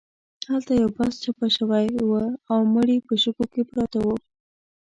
هلته یو بس چپه شوی و او مړي په شګو کې پراته وو.